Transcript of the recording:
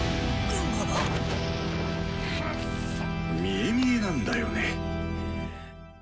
見え見えなんだよね。